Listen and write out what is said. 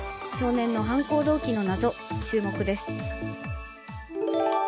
少年の犯行動機の謎、注目です。